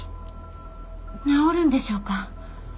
治るんでしょうか？